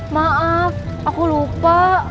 maaf aku lupa